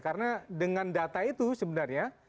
karena dengan data itu sebenarnya